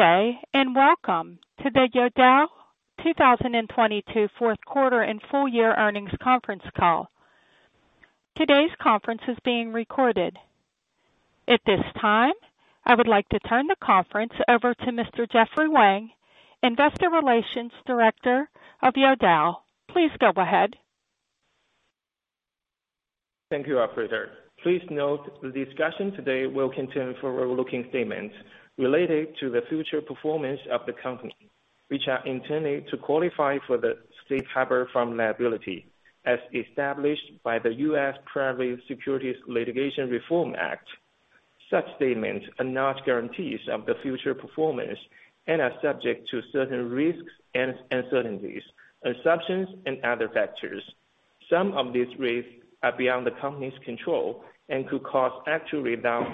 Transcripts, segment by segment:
Good day, welcome to the Youdao 2022 fourth quarter and full year earnings conference call. Today's conference is being recorded. At this time, I would like to turn the conference over to Mr. Jeffrey Wang, Investor Relations Director of Youdao. Please go ahead. Thank you, operator. Please note the discussion today will contain forward-looking statements related to the future performance of the company, which are intended to qualify for the safe harbor from liability as established by the U.S. Private Securities Litigation Reform Act. Such statements are not guarantees of the future performance and are subject to certain risks and uncertainties, assumptions, and other factors. Some of these risks are beyond the company's control and could cause actual results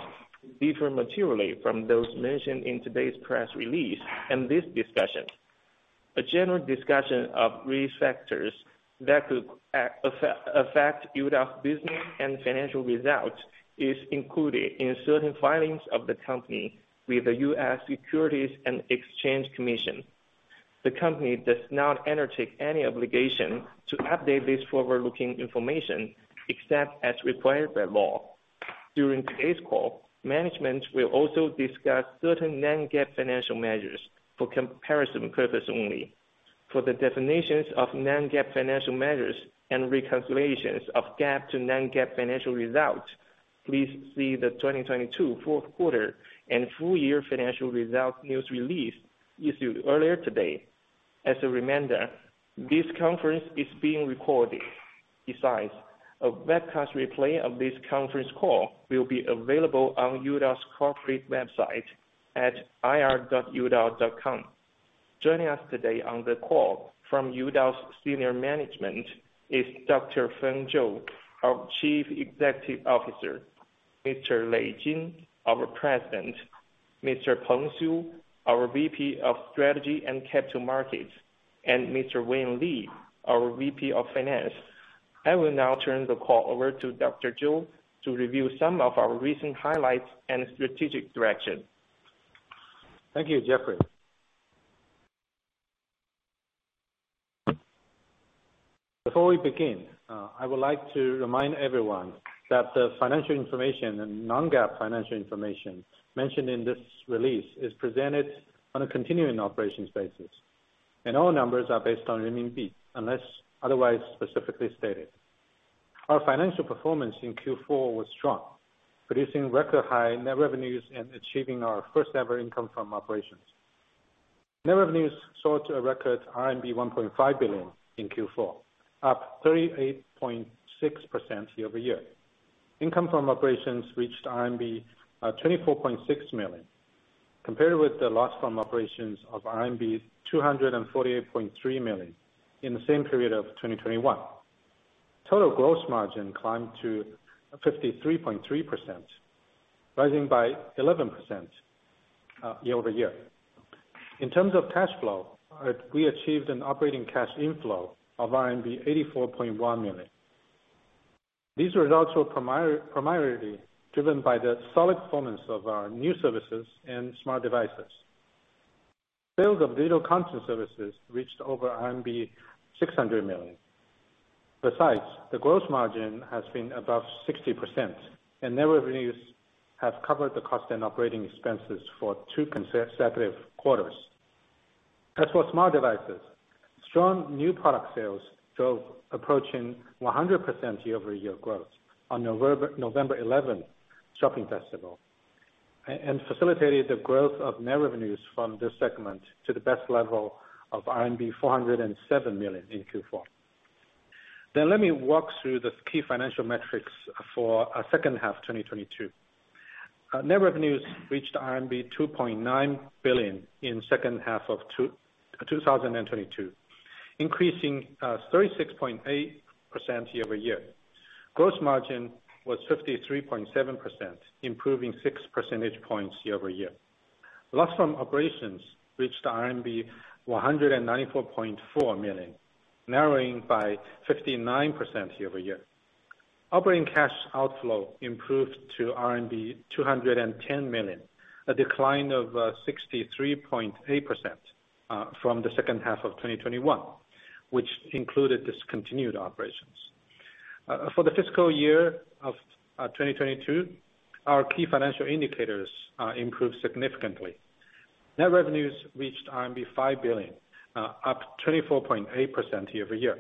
to differ materially from those mentioned in today's press release and this discussion. A general discussion of risk factors that could affect Youdao's business and financial results is included in certain filings of the company with the U.S. Securities and Exchange Commission. The company does not undertake any obligation to update this forward-looking information except as required by law. During today's call, management will also discuss certain non-GAAP financial measures for comparison purpose only. For the definitions of non-GAAP financial measures and reconciliations of GAAP to non-GAAP financial results, please see the 2022 fourth quarter and full year financial results news release issued earlier today. As a reminder, this conference is being recorded. A webcast replay of this conference call will be available on Youdao's corporate website at ir.youdao.com. Joining us today on the call from Youdao's senior management is Dr. Feng Zhou, our Chief Executive Officer, Mr. Lei Jin, our President, Mr. Peng Su, our VP of Strategy and Capital Markets, and Mr. Wayne Li, our VP of Finance. I will now turn the call over to Dr. Zhou to review some of our recent highlights and strategic direction. Thank you, Jeffrey. Before we begin, I would like to remind everyone that the financial information and non-GAAP financial information mentioned in this release is presented on a continuing operations basis, and all numbers are based on renminbi, unless otherwise specifically stated. Our financial performance in Q4 was strong, producing record high net revenues and achieving our first-ever income from operations. Net revenues soared to a record RMB 1.5 billion in Q4, up 38.6% year-over-year. Income from operations reached RMB 24.6 million, compared with the loss from operations of RMB 248.3 million in the same period of 2021. Total gross margin climbed to 53.3%, rising by 11% year-over-year. In terms of cash flow, we achieved an operating cash inflow of RMB 84.1 million. These results were primarily driven by the solid performance of our new services and smart devices. Sales of digital content services reached over RMB 600 million. Besides, the gross margin has been above 60%, and net revenues have covered the cost and operating expenses for two consecutive quarters. As for smart devices, strong new product sales drove approaching 100% year-over-year growth on November 11 Shopping Festival, and facilitated the growth of net revenues from this segment to the best level of RMB 407 million in Q4. Let me walk through the key financial metrics for second half 2022. Net revenues reached RMB 2.9 billion in second half of 2022, increasing 36.8% year-over-year. Gross margin was 53.7%, improving 6 percentage points year-over-year. Loss from operations reached RMB 194.4 million, narrowing by 59% year-over-year. Operating cash outflow improved to RMB 210 million, a decline of 63.8% from the second half of 2021, which included discontinued operations. For the fiscal year of 2022, our key financial indicators improved significantly. Net revenues reached RMB 5 billion, up 24.8% year-over-year.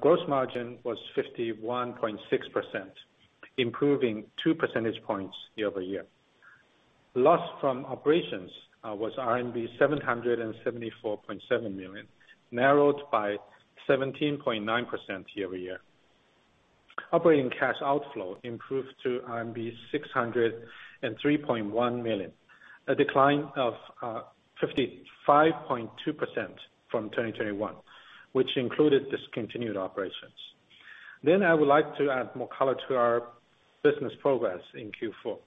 Gross margin was 51.6%, improving 2 percentage points year-over-year. Loss from operations was RMB 774.7 million, narrowed by 17.9% year-over-year. Operating cash outflow improved to RMB 603.1 million, a decline of 55.2% from 2021, which included discontinued operations. I would like to add more color to our business progress in Q4.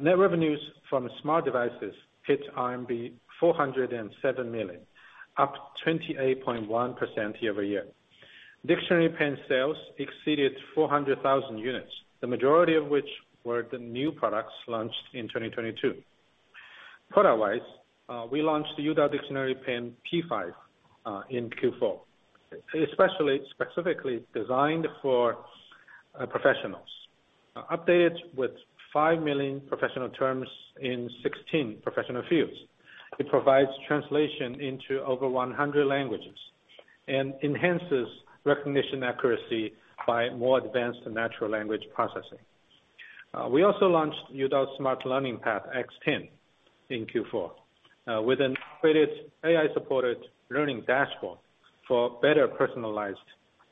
Net revenues from smart devices hit RMB 407 million, up 28.1% year-over-year. Dictionary pen sales exceeded 400,000 units, the majority of which were the new products launched in 2022. Product-wise, we launched the Youdao Dictionary Pen P5 in Q4, especially specifically designed for professionals. Updated with 5 million professional terms in 16 professional fields. It provides translation into over 100 languages and enhances recognition accuracy by more advanced natural language processing. We also launched Youdao Smart Learning Pad X10 in Q4 with an upgraded AI-supported learning dashboard for better personalized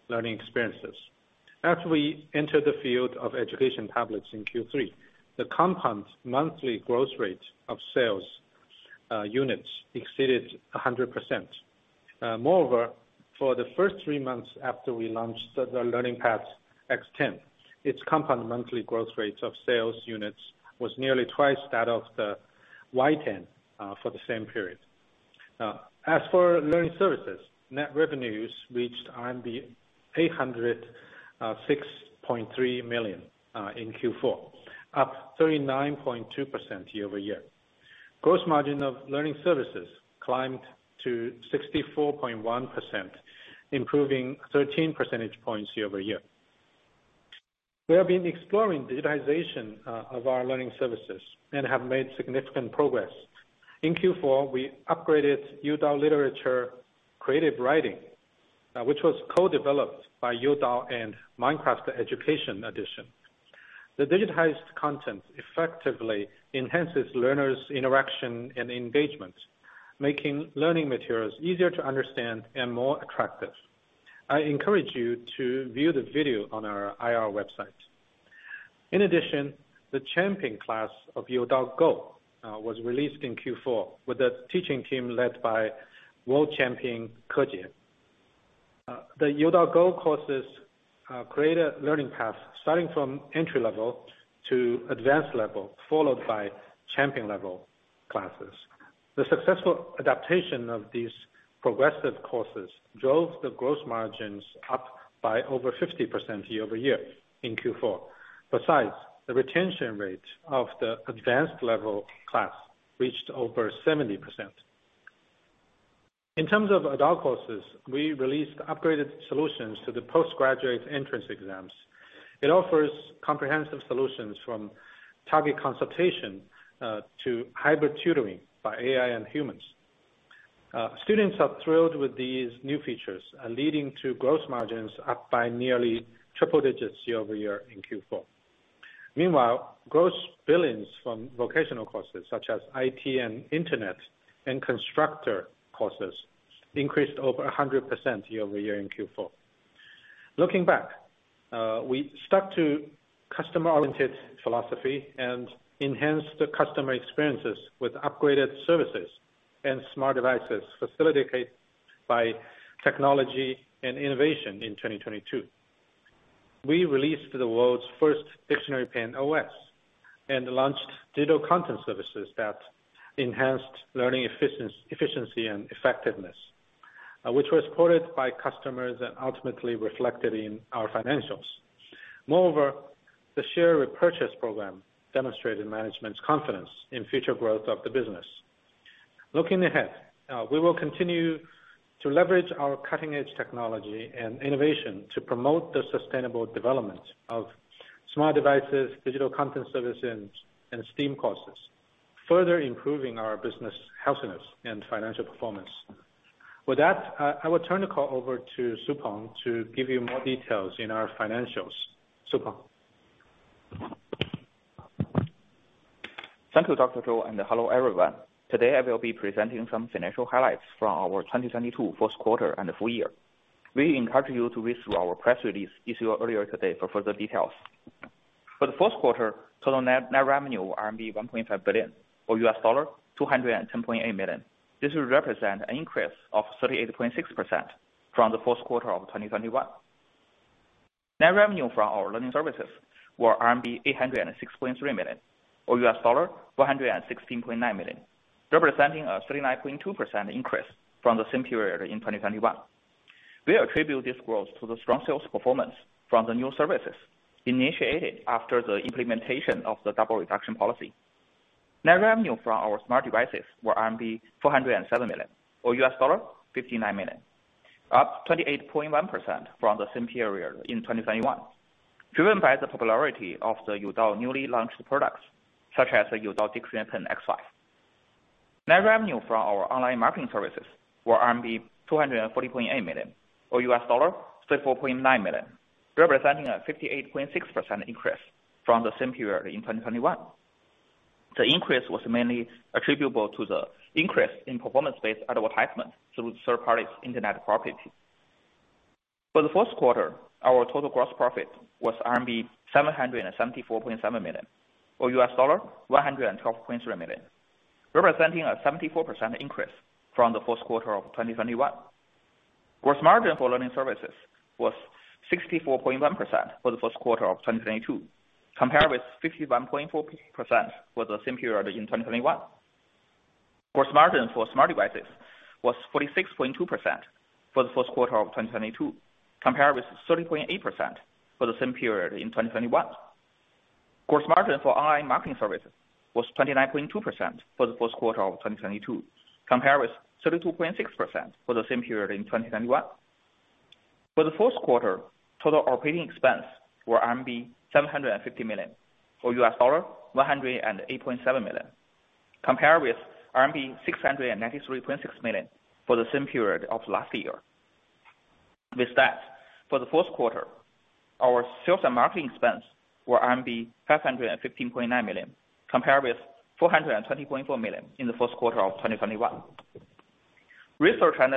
learning experiences. As we enter the field of education tablets in Q3, the compound monthly growth rate of sales units exceeded 100%. Moreover, for the first three months after we launched the Learning Pad X10, its compound monthly growth rates of sales units was nearly twice that of the Y10 for the same period. As for learning services, net revenues reached RMB 806.3 million in Q4, up 39.2% year-over-year. Gross margin of learning services climbed to 64.1%, improving 13 percentage points year-over-year. We have been exploring digitization of our learning services and have made significant progress. In Q4, we upgraded Youdao Literature Creative Writing, which was co-developed by Youdao and Minecraft Education Edition. The digitized content effectively enhances learners' interaction and engagement, making learning materials easier to understand and more attractive. I encourage you to view the video on our IR website. In addition, the champion class of Youdao Go was released in Q4 with a teaching team led by world champion Ke Jie. The Youdao Go courses create a learning path starting from entry level to advanced level, followed by champion-level classes. The successful adaptation of these progressive courses drove the gross margins up by over 50% year-over-year in Q4. Besides, the retention rate of the advanced level class reached over 70%. In terms of adult courses, we released upgraded solutions to the post-graduate entrance exams. It offers comprehensive solutions from target consultation to hybrid tutoring by AI and humans. Students are thrilled with these new features, leading to gross margins up by nearly triple digits year-over-year in Q4. Meanwhile, gross billings from vocational courses such as IT and internet and constructor courses increased over 100% year-over-year in Q4. Looking back, we stuck to customer-oriented philosophy and enhanced the customer experiences with upgraded services and smart devices facilitated by technology and innovation in 2022. We released the world's first Dictionary Pen OS and launched digital content services that enhanced learning efficiency and effectiveness, which was quoted by customers and ultimately reflected in our financials. Moreover, the share repurchase program demonstrated management's confidence in future growth of the business. Looking ahead, we will continue to leverage our cutting-edge technology and innovation to promote the sustainable development of smart devices, digital content services, and STEAM courses, further improving our business healthiness and financial performance. With that, I will turn the call over to Su, Peng to give you more details in our financials. Su, Peng. Thank you, Dr. Zhou, and hello, everyone. Today I will be presenting some financial highlights from our 2022 first quarter and full year. We encourage you to read through our press release issued earlier today for further details. For the first quarter, total net revenue RMB 1.5 billion or $210.8 million. This will represent an increase of 38.6% from the first quarter of 2021. Net revenue from our learning services were RMB 806.3 million or $116.9 million, representing a 39.2% increase from the same period in 2021. We attribute this growth to the strong sales performance from the new services initiated after the implementation of the double reduction policy. Net revenue from our smart devices were RMB 407 million, or $59 million, up 28.1% from the same period in 2021, driven by the popularity of the Youdao newly launched products such as the Youdao Dictionary Pen X5. Net revenue from our online marketing services were RMB 240.8 million or $34.9 million, representing a 58.6% increase from the same period in 2021. The increase was mainly attributable to the increase in performance-based advertisement through third-party internet property. For the first quarter, our total gross profit was RMB 774.7 million or $112.3 million, representing a 74% increase from the first quarter of 2021. Gross margin for learning services was 64.1% for the first quarter of 2022, compared with 51.4% for the same period in 2021. Gross margin for smart devices was 46.2% for the first quarter of 2022, compared with 30.8% for the same period in 2021. Gross margin for online marketing services was 29.2% for the first quarter of 2022, compared with 32.6% for the same period in 2021. For the first quarter, total operating expense were RMB 750 million, or $108.7 million, compared with RMB 693.6 million for the same period of last year. For the first quarter, our sales and marketing expense were RMB 515.9 million, compared with 420.4 million in the first quarter of 2021. Research and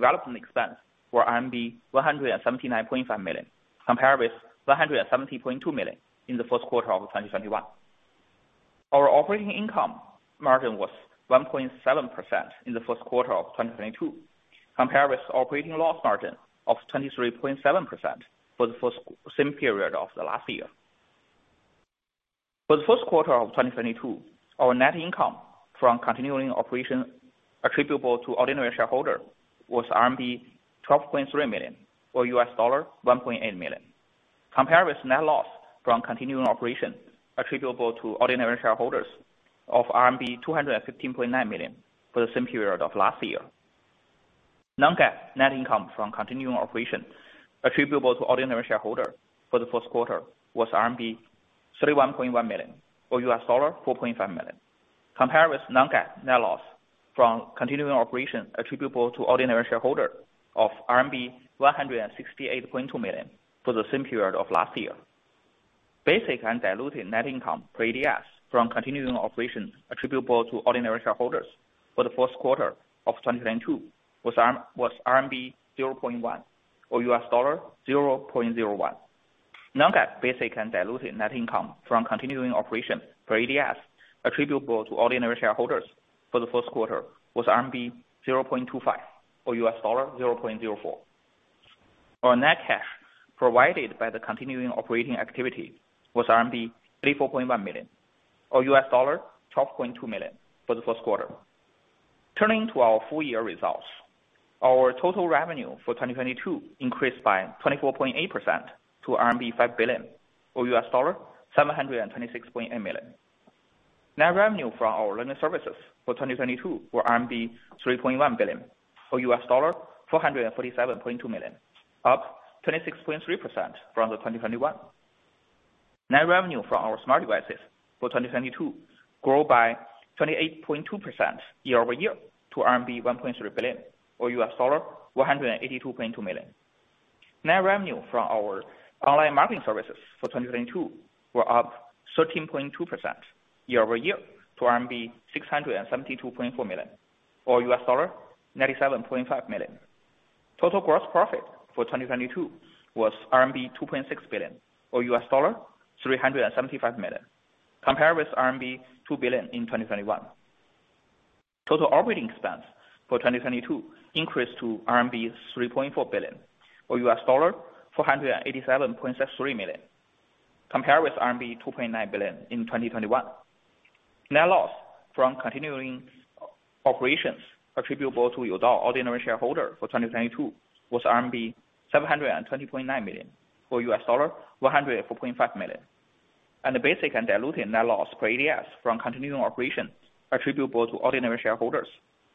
development expense were RMB 179.5 million, compared with 170.2 million in the first quarter of 2021. Our operating income margin was 1.7% in the first quarter of 2022, compared with operating loss margin of 23.7% for the first same period of the last year. For the first quarter of 2022, our net income from continuing operations attributable to ordinary shareholder was RMB 12.3 million, or $1.8 million, compared with net loss from continuing operations attributable to ordinary shareholders of RMB 215.9 million for the same period of last year. Non-GAAP net income from continuing operations attributable to ordinary shareholder for the first quarter was RMB 31.1 million, or $4.5 million, compared with non-GAAP net loss from continuing operations attributable to ordinary shareholder of RMB 168.2 million for the same period of last year. Basic and diluted net income per ADS from continuing operations attributable to ordinary shareholders for the first quarter of 2022 was RMB 0.1 or $0.01. Non-GAAP basic and diluted net income from continuing operations per ADS attributable to ordinary shareholders for the first quarter was RMB 0.25 or $0.04. Our net cash provided by the continuing operating activity was RMB 34.1 million or $12.2 million for the first quarter. Turning to our full year results. Our total revenue for 2022 increased by 24.8% to RMB 5 billion or $726.8 million. Net revenue from our learning services for 2022 were RMB 3.1 billion or $447.2 million, up 26.3% from 2021. Net revenue from our smart devices for 2022 grow by 28.2% year-over-year to RMB 1.3 billion or $182.2 million. Net revenue from our online marketing services for 2022 were up 13.2% year-over-year to RMB 672.4 million or $97.5 million. Total gross profit for 2022 was RMB 2.6 billion or $375 million, compared with RMB 2 billion in 2021. Total operating expense for 2022 increased to RMB 3.4 billion or $487.63 million, compared with RMB 2.9 billion in 2021. Net loss from continuing operations attributable to your ordinary shareholder for 2022 was RMB 770.9 million or $104.5 million. The basic and diluted net loss per ADS from continuing operations attributable to ordinary shareholders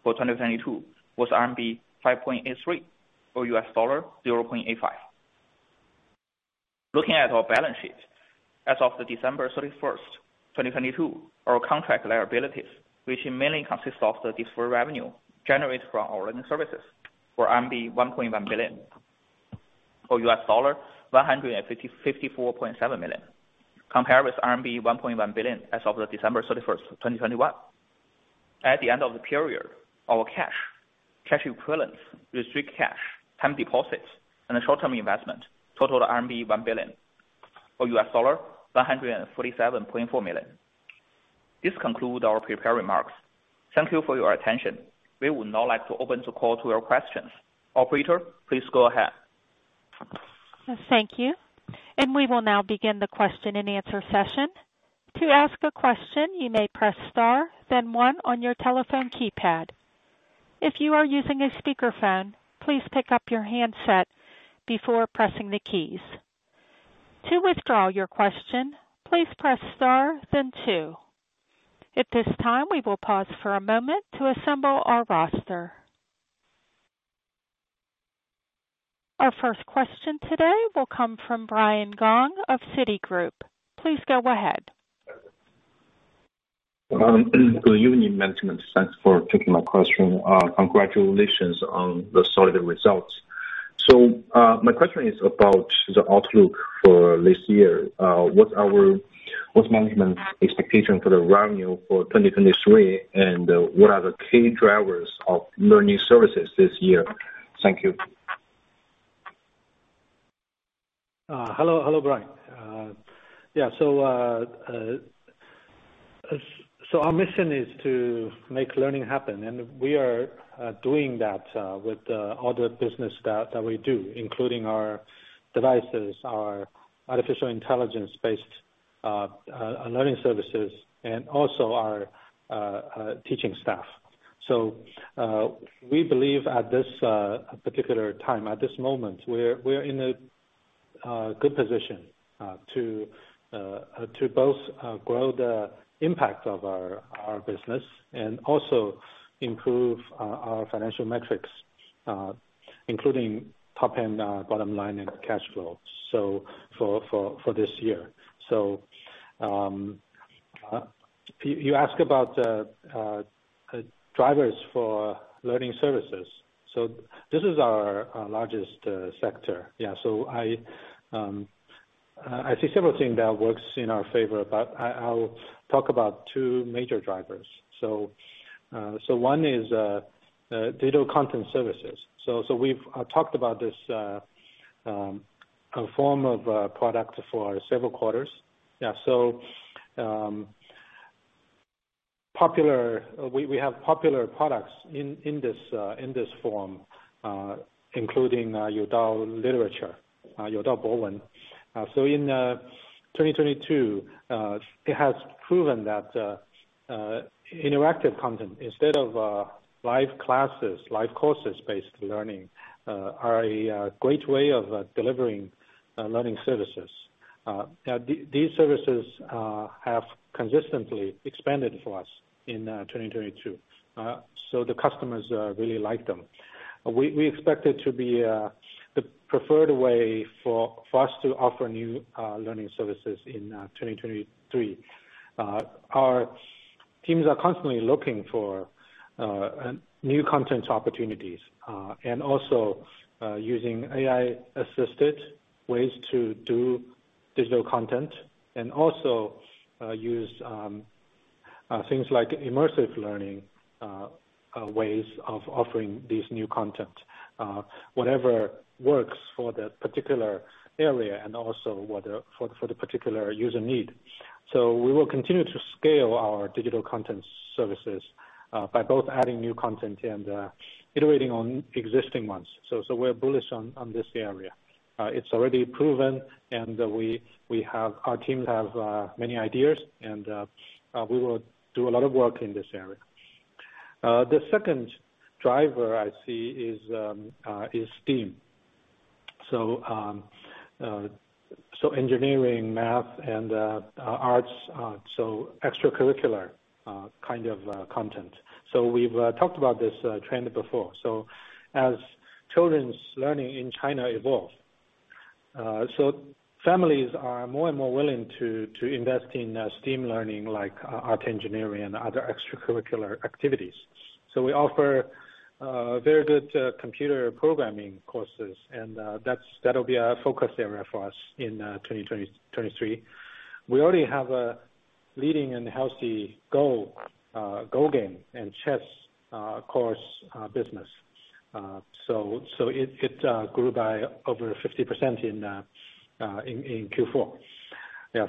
for 2022 was RMB 5.83 or $0.85. Looking at our balance sheet, as of December 31st, 2022, our contract liabilities, which mainly consists of the deferred revenue generated from our learning services were RMB 1.1 billion or $154.7 million, compared with RMB 1.1 billion as of December 31st, 2021. At the end of the period, our cash equivalents, restricted cash, time deposits, and the short-term investment totaled RMB 1 billion or $147.4 million. This conclude our prepared remarks. Thank you for your attention. We would now like to open the call to your questions. Operator, please go ahead. Thank you. We will now begin the question and answer session. To ask a question, you may press star then one on your telephone keypad. If you are using a speaker phone, please pick up your handset before pressing the keys. To withdraw your question, please press star then two. At this time, we will pause for a moment to assemble our roster. Our first question today will come from Brian Gong of Citigroup. Please go ahead. Good evening, management. Thanks for taking my question. Congratulations on the solid results. My question is about the outlook for this year. What's management's expectation for the revenue for 2023? What are the key drivers of learning services this year? Thank you. Hello. Hello, Brian. Yeah. Our mission is to make learning happen, and we are doing that with the other business that we do, including our devices, our artificial intelligence-based Our learning services and also our teaching staff. We believe at this particular time, at this moment, we're in a good position to both grow the impact of our business and also improve our financial metrics, including top and bottom line and cash flow. For this year. You ask about the drivers for learning services. This is our largest sector. Yeah. I see several things that works in our favor, but I'll talk about two major drivers. One is digital content services. We've talked about this form of a product for several quarters. Yeah. Popular. We have popular products in this form, including Youdao literature, Youdao Bowen. In 2022, it has proven that interactive content instead of live classes, live courses based learning, are a great way of delivering learning services. These services have consistently expanded for us in 2022. The customers really like them. We expect it to be the preferred way for us to offer new learning services in 2023. Our teams are constantly looking for new content opportunities, and also using AI assisted ways to do digital content and also use things like immersive learning ways of offering this new content, whatever works for the particular area and also for the particular user need. We will continue to scale our digital content services by both adding new content and iterating on existing ones. We're bullish on this area. It's already proven and we have, our teams have many ideas and we will do a lot of work in this area. The second driver I see is is STEAM. Engineering, math and arts, so extracurricular kind of content. We've talked about this trend before. As children's learning in China evolve, families are more and more willing to invest in STEAM learning like art engineering and other extracurricular activities. We offer very good computer programming courses, and that's, that'll be a focus area for us in 2023. We already have a leading and healthy Go game and chess course business. It grew by over 50% in Q4. Yeah.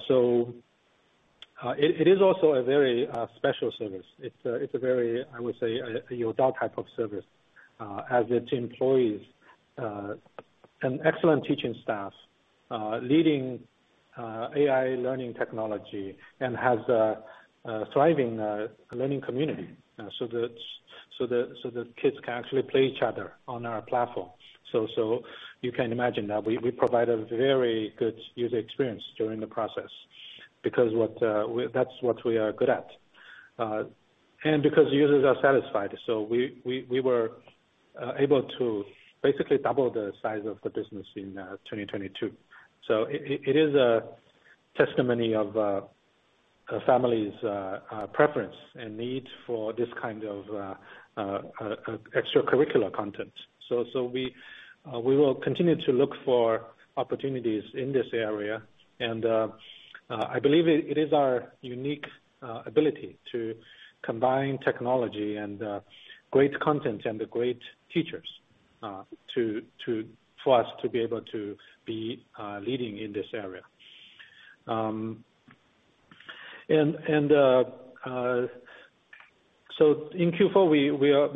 It is also a very special service. It's a very, I would say, a Youdao type of service, as it employs an excellent teaching staff, leading AI learning technology and has a thriving learning community. The kids can actually play each other on our platform. You can imagine that we provide a very good user experience during the process because that's what we are good at. Because users are satisfied. We were able to basically double the size of the business in 2022. It is a testimony of a family's preference and need for this kind of extracurricular content. We will continue to look for opportunities in this area. I believe it is our unique ability to combine technology and great content and great teachers to for us to be able to be leading in this area. In Q4, we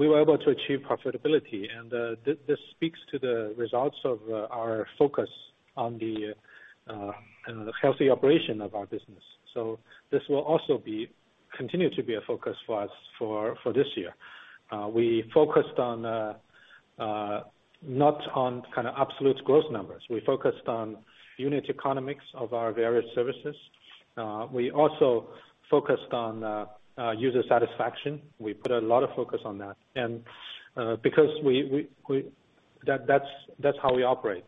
were able to achieve profitability. This speaks to the results of our focus on the kind of the healthy operation of our business. This will also be, continue to be a focus for us for this year. We focused on not on kind of absolute growth numbers. We focused on unit economics of our various services. We also focused on user satisfaction. We put a lot of focus on that and because That's how we operate.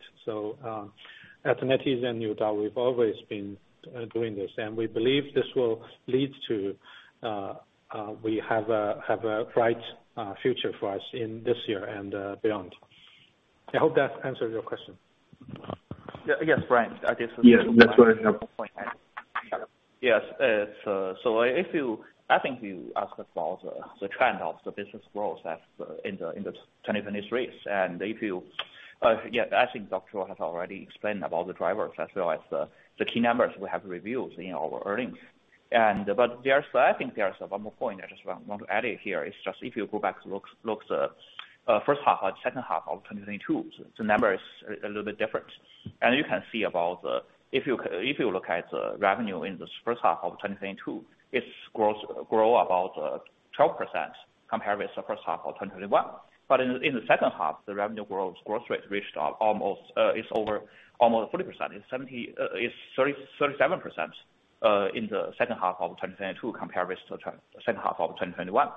At NetEase and Youdao, we've always been doing this, and we believe this will lead to we have a bright future for us in this year and beyond. I hope that answered your question. Yeah. Yes, Brian. Yeah. That's very helpful. Yes. If you I think you asked about the trend of the business growth as, in the 2023. If you, yeah, I think Dr. Zhou has already explained about the drivers as well as the key numbers we have reviewed in our earnings. There's, I think there's one more point I just want to add it here. It's just if you go back to look the first half or second half of 2022, the number is a little bit different. You can see about the If you look at the revenue in the first half of 2022, it grow about 12% compared with the first half of 2021. In the second half, the revenue growth rate reached almost, it's over almost 40%. It's 37% in the second half of 2022 compared with the second half of 2021.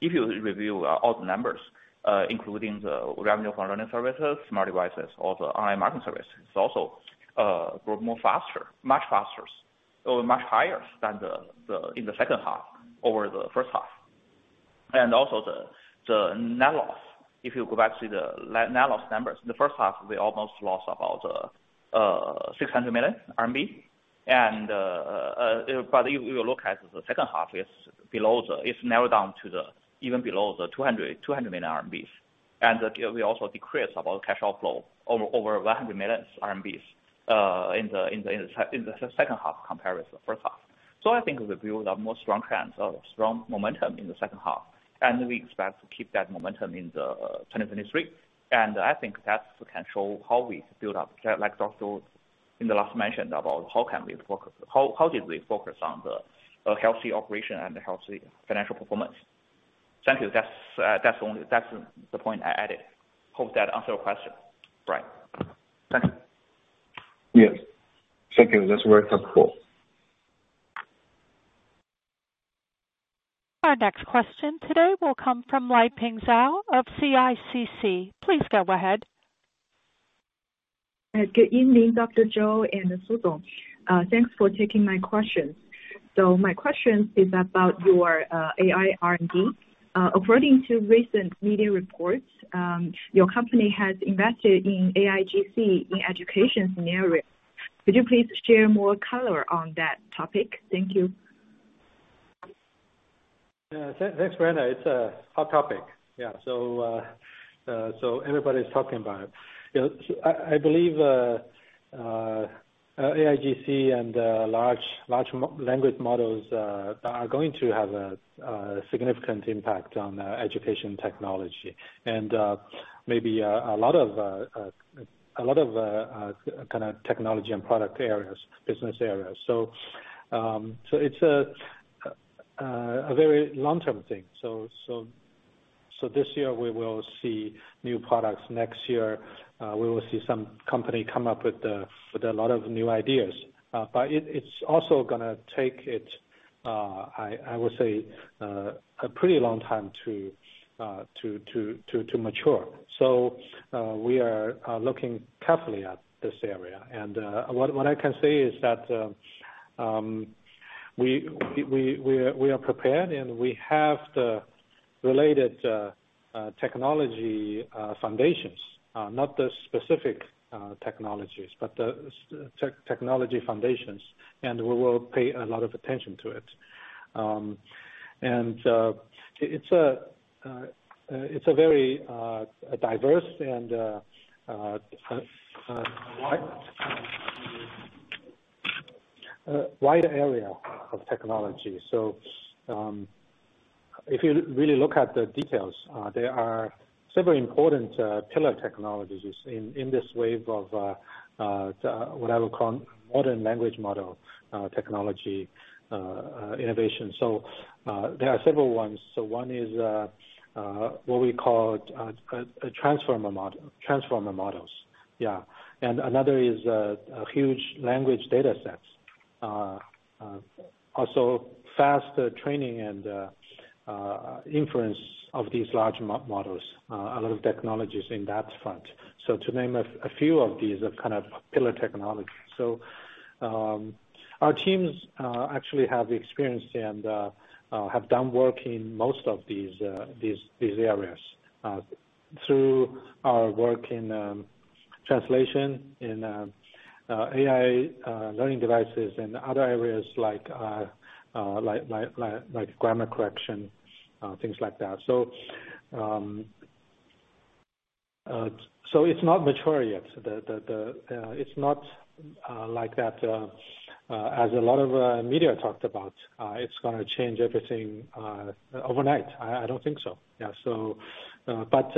the numbers, including the revenue from learning services, smart devices, or the online marketing service, it's also grow much faster, much higher than the second half over the first half. Also the net loss, if you go back to the net loss numbers, the first half we almost lost about 600 million RMB. But if you look at the second half, it's narrowed down to even below 200 million RMB. We also decreased cash outflow over 100 million RMB in the second half compared with the first half I think we've built a more strong trends or strong momentum in the second half, and we expect to keep that momentum in 2023. I think that can show how we build up. Like Dr. in the last mention about how can we focus. How did we focus on a healthy operation and a healthy financial performance. Thank you. That's only, that's the point I added. Hope that answer your question, Brian. Thank you. Yes. Thank you. That's very helpful. Our next question today will come from Liping Zhao of CICC. Please go ahead. Good evening, Dr. Zhou and Su, Peng. Thanks for taking my questions. My question is about your AI R&D. According to recent media reports, your company has invested in AIGC in education scenario. Could you please share more color on that topic? Thank you. Thanks for that. It's a hot topic. Yeah. Everybody's talking about it. You know, I believe AIGC and large language models are going to have a significant impact on education technology and maybe a lot of kinda technology and product areas, business areas. It's a very long-term thing. This year we will see new products. Next year, we will see some company come up with a lot of new ideas. It's also gonna take it I would say a pretty long time to mature. We are looking carefully at this area. What I can say is that we are prepared and we have the related technology foundations. Not the specific technologies, but the technology foundations, and we will pay a lot of attention to it. It's a very diverse and wide area of technology. If you really look at the details, there are several important pillar technologies in this wave of the what I would call modern language model technology innovation. There are several ones. One is what we call a transformer model, transformer models. Yeah. Another is a huge language data sets. Also faster training and inference of these large models, a lot of technologies in that front. To name a few of these kind of pillar technology. Our teams actually have experience and have done work in most of these, these areas, through our work in translation, in AI learning devices and other areas like grammar correction, things like that. It's not mature yet. It's not like that as a lot of media talked about, it's gonna change everything overnight. I don't think so. Yeah, so, but,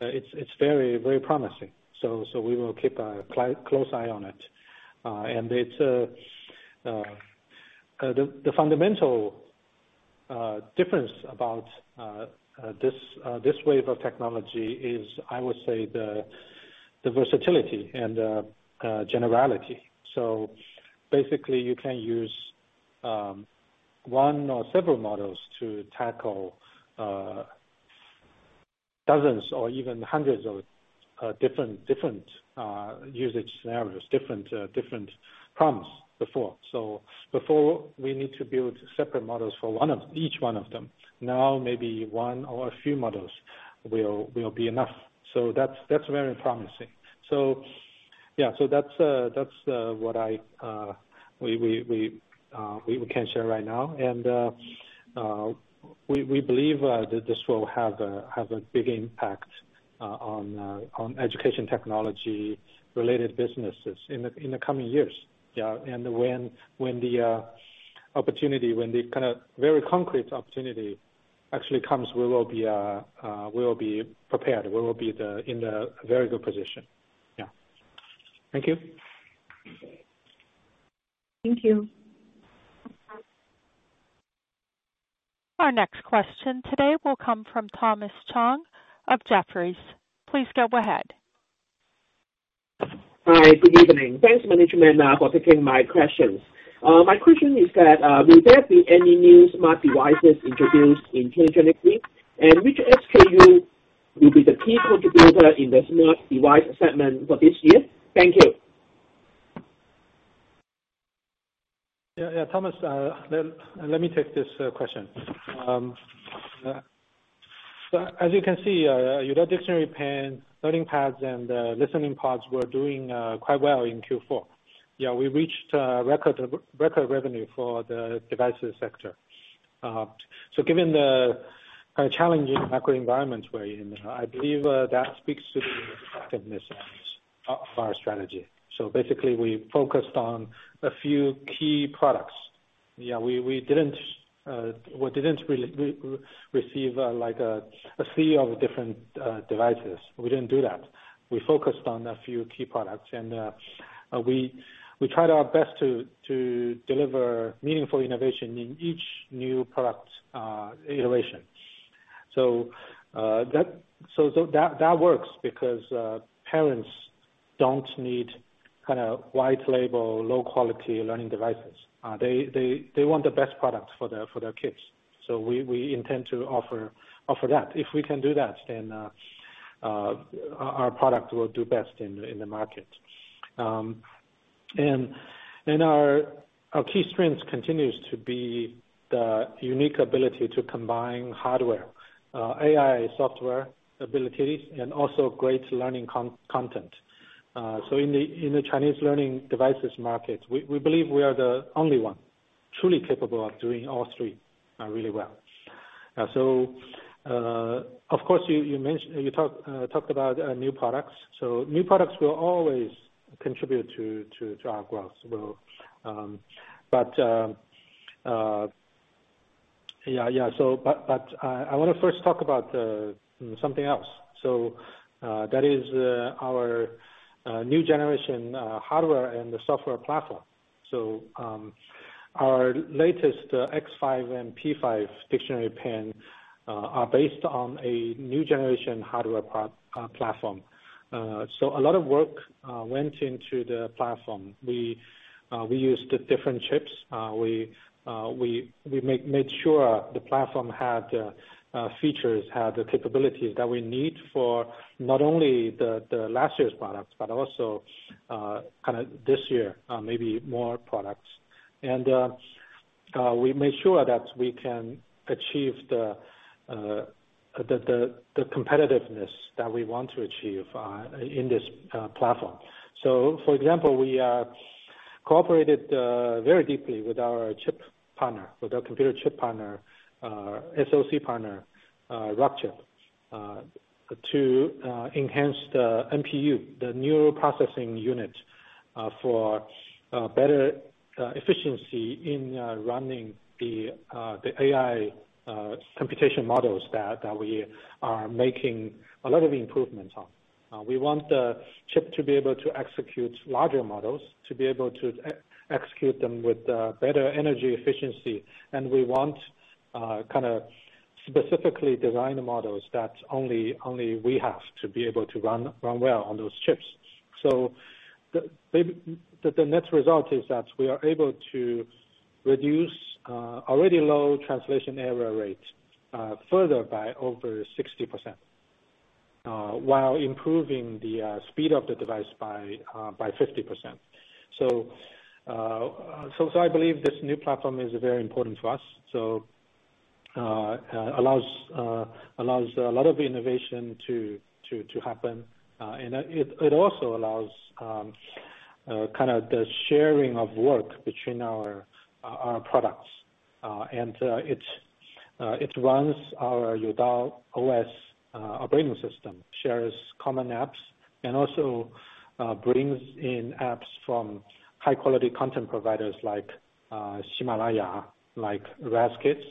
it's very promising. We will keep a close eye on it. It's the fundamental difference about this wave of technology is, I would say, the versatility and generality. Basically, you can use one or several models to tackle dozens or even hundreds of different usage scenarios, different problems before. Before we need to build separate models for one of, each one of them. Now, maybe one or a few models will be enough. That's very promising. Yeah. That's what we can share right now. We believe that this will have a big impact on education technology related businesses in the coming years. Yeah, when the opportunity, when the kind of very concrete opportunity actually comes, we will be prepared. We will be in the very good position. Yeah. Thank you. Thank you. Our next question today will come from Thomas Chong of Jefferies. Please go ahead. Hi. Good evening. Thanks management, for taking my questions. My question is that, will there be any new smart devices introduced in 2023? Which SKU will be the key contributor in the smart device segment for this year? Thank you. Thomas, let me take this question. As you can see, our dictionary pen, learning pads, and listening pods were doing quite well in Q4. We reached record revenue for the devices sector. Given the kind of challenging macro environment we're in, I believe that speaks to the effectiveness of our strategy. Basically, we focused on a few key products. We didn't receive like a sea of different devices. We didn't do that. We focused on a few key products, we tried our best to deliver meaningful innovation in each new product iteration. That works because parents don't need kinda white label, low quality learning devices. They want the best products for their kids. We intend to offer that. If we can do that, then our product will do best in the market. Our key strength continues to be the unique ability to combine hardware, AI software abilities, and also great learning content. In the Chinese learning devices market, we believe we are the only one truly capable of doing all three really well. Of course you mentioned... You talked about new products. New products will always contribute to our growth. Will, but yeah. I wanna first talk about something else. That is our new generation hardware and software platform. Our latest X5 and P5 Dictionary Pen are based on a new generation hardware platform. A lot of work went into the platform. We used different chips. We made sure the platform had features, had the capabilities that we need for not only the last year's products, but also kinda this year, maybe more products. We made sure that we can achieve the competitiveness that we want to achieve in this platform. For example, we cooperated very deeply with our chip partner, with our computer chip partner, SOC partner, Rockchip, to enhance the NPU, the neural processing unit, for better efficiency in running the AI computation models that we are making a lot of improvements on. We want the chip to be able to execute larger models, to be able to execute them with better energy efficiency. We want kinda specifically design the models that only we have to be able to run well on those chips. The, maybe, the net result is that we are able to reduce already low translation error rates further by over 60%, while improving the speed of the device by 50%. I believe this new platform is very important for us. Allows a lot of innovation to happen. Also allows kind of the sharing of work between our products. Runs our Youdao OS operating system. Shares common apps, and also brings in apps from high quality content providers like Himalaya, like Raz-Kids,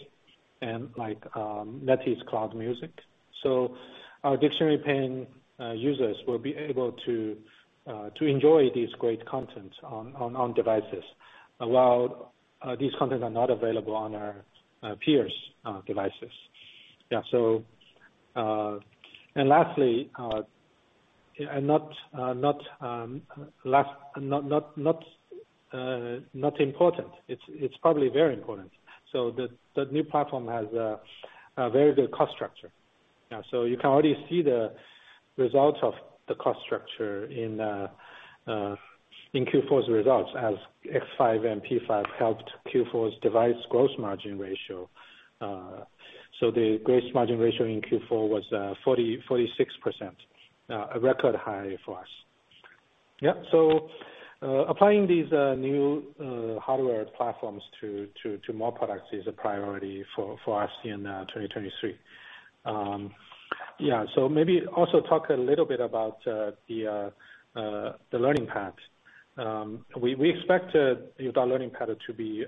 and like NetEase Cloud Music. Our dictionary pen users will be able to enjoy these great content on devices, while these contents are not available on our peers' devices. Lastly, and not important. It's probably very important. The new platform has a very good cost structure. You can already see the results of the cost structure in Q4's results as X5 and P5 helped Q4's device gross margin ratio. The gross margin ratio in Q4 was 46%. A record high for us. Applying these new hardware platforms to more products is a priority for us in 2023. Maybe also talk a little bit about the Learning Pads. We expect the Learning Pad to be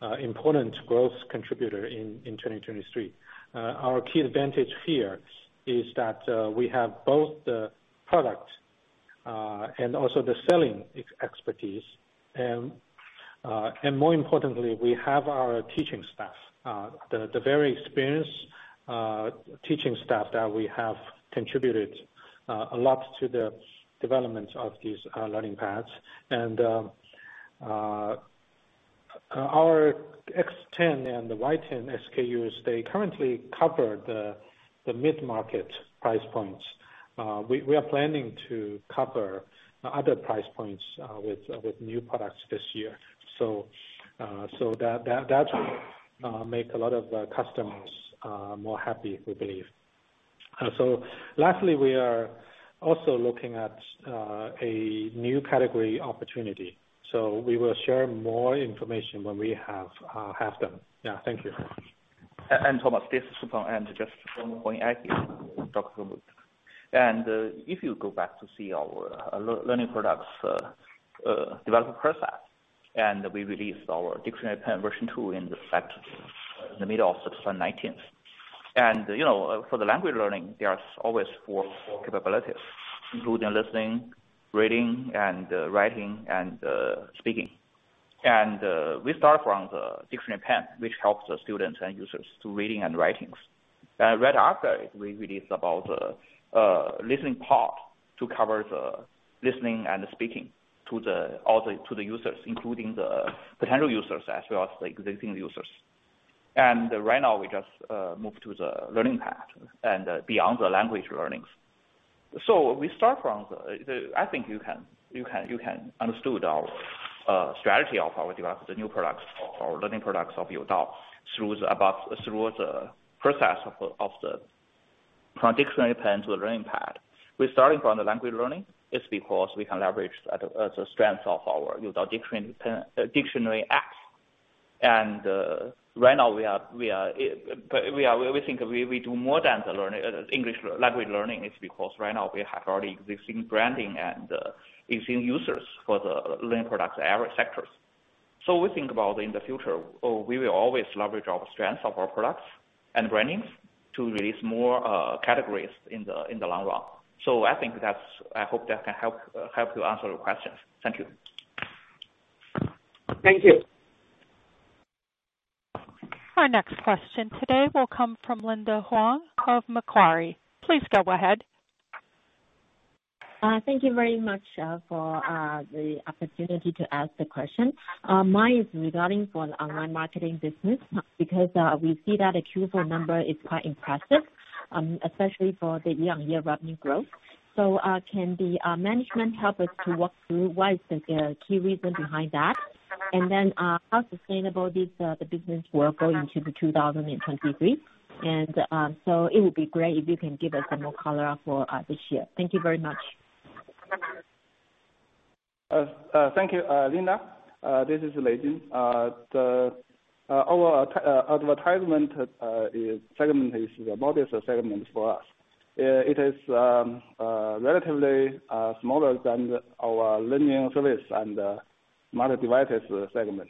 an important growth contributor in 2023. Our key advantage here is that we have both the product and also the selling expertise and more importantly, we have our teaching staff, the very experienced teaching staff that we have contributed a lot to the development of these Learning Pads and our X10 and the Y10 SKUs, they currently cover the mid-market price points. We are planning to cover other price points with new products this year. That will make a lot of customers more happy, we believe. Lastly, we are also looking at a new category opportunity. We will share more information when we have them. Yeah. Thank you. Thomas, this is Peng Su. Just [inaudible] talks about. If you go back to see our learning products development process, and we released our Youdao Dictionary Pen 2 in the middle of September 19th. You know, for the language learning, there are always four capabilities, including listening, reading and writing and speaking. We start from the dictionary pen, which helps the students and users to reading and writings. Right after it, we released about listening part to cover the listening and speaking to the users, including the potential users as well as the existing users. Right now we just moved to the Learning Pad and beyond the language learnings. We start from I think you can understood our strategy of our develop the new products or learning products of Youdao through the above, through the process of the from dictionary pen to the Learning Pad. We're starting from the language learning. It's because we can leverage the strength of our dictionary pen, dictionary app. Right now we are we think we do more than the learning, English language learning. It's because right now we have already existing branding and existing users for the learning products sectors. We think about in the future, we will always leverage our strength of our products and brandings to release more categories in the long run. I think that's. I hope that can help you answer your questions. Thank you. Thank you. Our next question today will come from Linda Huang of Macquarie. Please go ahead. Thank you very much for the opportunity to ask the question. Mine is regarding for online marketing business, because we see that the Q4 number is quite impressive, especially for the year-over-year revenue growth. Can the management help us to walk through what is the key reason behind that? How sustainable is the business we're going to the 2023? It would be great if you can give us some more color for this year. Thank you very much. Thank you, Linda. This is Lei Jin. The our advertisement is segment is the modest segment for us. It is relatively smaller than our learning service and micro devices segment.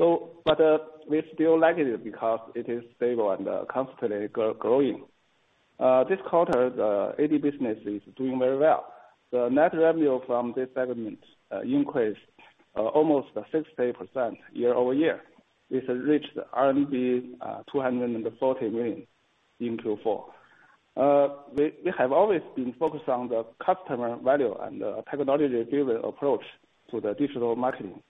We still like it because it is stable and constantly growing. This quarter, the AD business is doing very well. The net revenue from this segment increased almost 60% year-over-year. It has reached RMB 240 million in Q4. We have always been focused on the customer value and technology-driven approach to the digital marketing.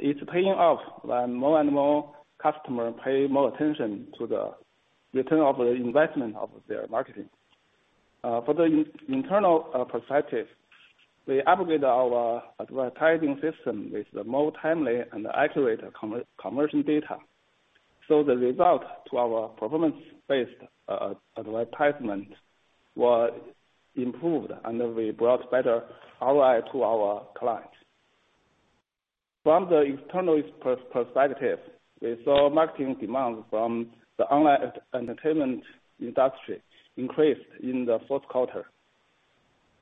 It's paying off when more and more customers pay more attention to the return of the investment of their marketing. For the internal perspective, we upgraded our advertising system with more timely and accurate commercial data. The result to our performance-based advertisement was improved, and we brought better ROI to our clients. From the external perspective, we saw marketing demand from the online entertainment industry increased in the fourth quarter,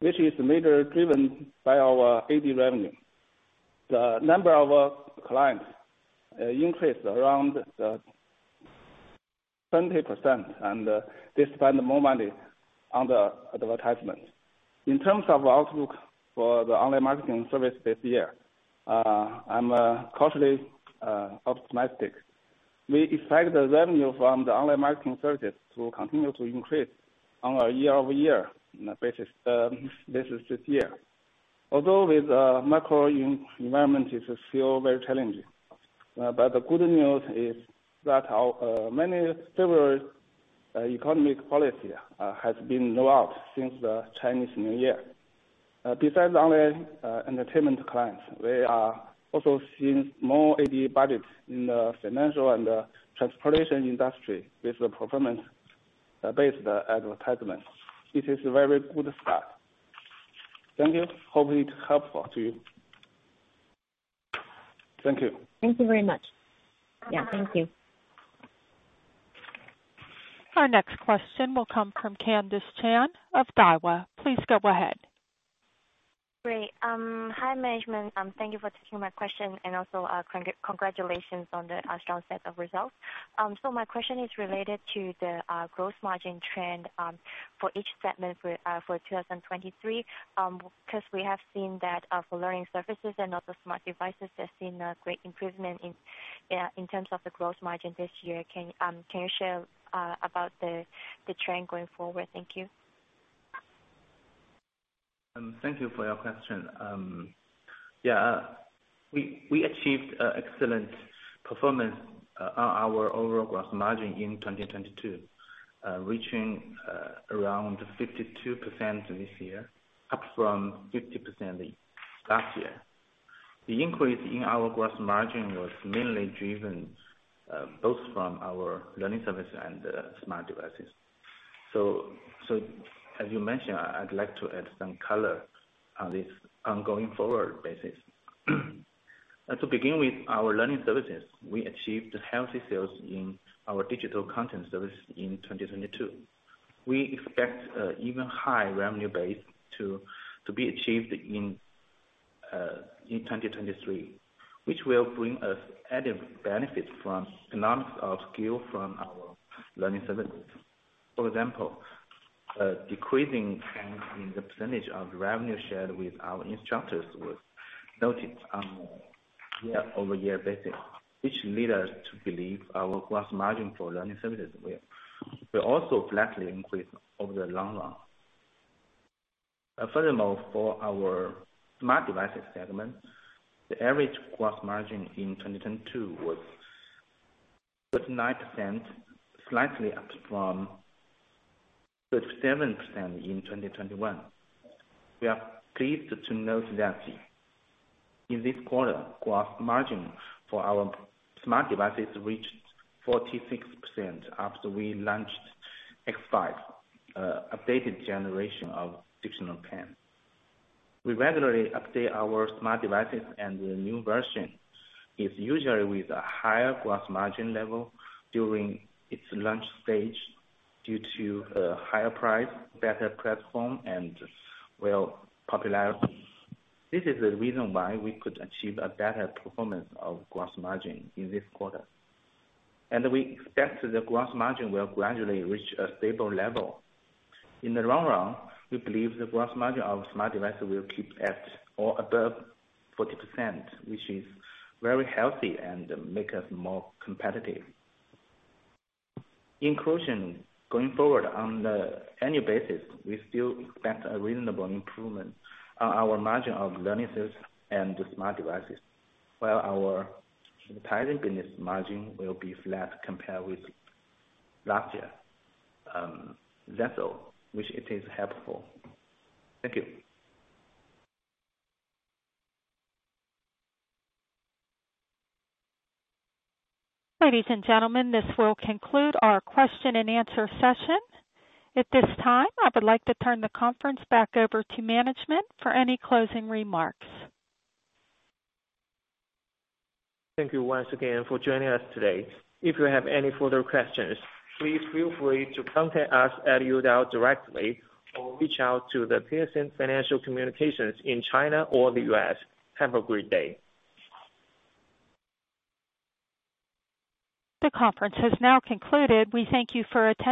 which is major driven by our AD revenue. The number of clients increased around 20%, they spend more money on the advertisement. In terms of outlook for the online marketing service this year, I'm cautiously optimistic. We expect the revenue from the online marketing services to continue to increase on a year-over-year basis this year. With the macro environment, it is still very challenging. The good news is that our many several economic policy has been rolled out since the Chinese New Year. Besides online entertainment clients, we are also seeing more AD budgets in the financial and transportation industry with the performance Based advertisement. This is a very good start. Thank you. Hopefully it's helpful to you. Thank you. Thank you very much. Yeah, thank you. Our next question will come from Candice Chung of Daiwa. Please go ahead. Great. Hi, management. Thank you for taking my question, and also congratulations on the strong set of results. My question is related to the gross margin trend for each segment for 2023. We have seen that for learning services and also smart devices, they've seen a great improvement in terms of the gross margin this year. Can you share about the trend going forward? Thank you. Thank you for your question. We achieved excellent performance on our overall gross margin in 2022, reaching around 52% this year, up from 50% last year. The increase in our gross margin was mainly driven both from our learning service and smart devices. As you mentioned, I'd like to add some color on this on going forward basis. To begin with our learning services, we achieved healthy sales in our digital content service in 2022. We expect even high revenue base to be achieved in 2023, which will bring us added benefits from economics of scale from our learning services. For example, decreasing trend in the percentage of revenue shared with our instructors was noted on a year-over-year basis, which lead us to believe our gross margin for learning services will also slightly increase over the long run. Furthermore, for our smart devices segment, the average gross margin in 2022 was 39%, slightly up from 37% in 2021. We are pleased to note that in this quarter, gross margin for our smart devices reached 46% after we launched X5, updated generation of Dictionary Pen. We regularly update our smart devices, and the new version is usually with a higher gross margin level during its launch stage due to a higher price, better platform, and well, popularity. This is the reason why we could achieve a better performance of gross margin in this quarter. We expect the gross margin will gradually reach a stable level. In the long run, we believe the gross margin of smart devices will keep at or above 40%, which is very healthy and make us more competitive. In conclusion, going forward on the annual basis, we still expect a reasonable improvement on our margin of learning services and the smart devices, while our entire business margin will be flat compared with last year. That's all. Wish it is helpful. Thank you. Ladies and gentlemen, this will conclude our question and answer session. At this time, I would like to turn the conference back over to management for any closing remarks. Thank you once again for joining us today. If you have any further questions, please feel free to contact us at Youdao directly or reach out to the Piacente Financial Communications in China or the U.S. Have a great day. The conference has now concluded. We thank you for attending.